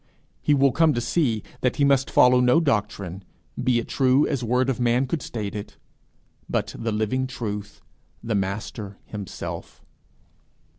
He will come to see that he must follow no doctrine, be it true as word of man could state it, but the living Truth, the Master himself.